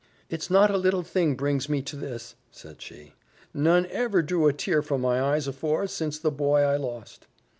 "It's not a little thing brings me to this," said she; "none ever drew a tear from my eyes afore, since the boy I lost."